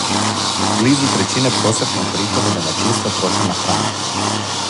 Близу трећине просечног прихода домаћинства троше на храну.